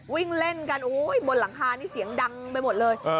วิ่งเล่นกันบนหลังคานี่เสียงดังไปหมดเลย